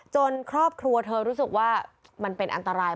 ครอบครัวเธอรู้สึกว่ามันเป็นอันตราย